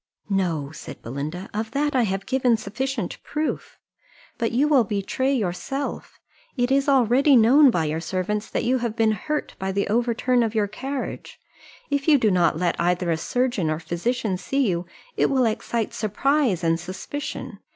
"No," said Belinda, "of that I have given sufficient proof but you will betray yourself: it is already known by your servants that you have been hurt by the overturn of your carriage; if you do not let either a surgeon or physician see you it will excite surprise and suspicion.